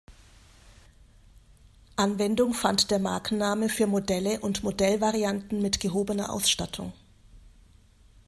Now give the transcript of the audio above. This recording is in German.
Anwendung fand der Markenname für Modelle und Modellvarianten mit gehobener Ausstattung.